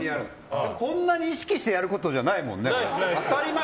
こんなに意識してやることじゃないもんね。